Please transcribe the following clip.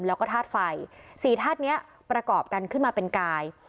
แล้วก็ธาตุไฟสี่ธาตุนี้ประกอบกันขึ้นมาเป็นกาย